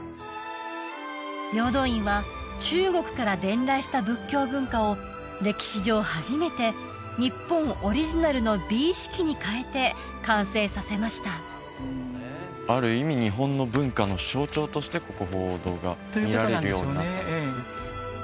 平等院は中国から伝来した仏教文化を歴史上初めて日本オリジナルの美意識に変えて完成させましたある意味日本の文化の象徴としてここ鳳凰堂が見られるようになったんですね